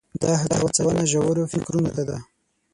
دا هڅونه ژورو فکرونو ته ده.